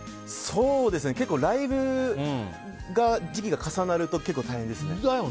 結構、ライブの時期が重なると結構大変ですね。